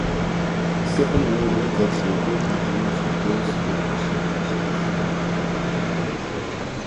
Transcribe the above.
Seven world records were broken during the course of the championships.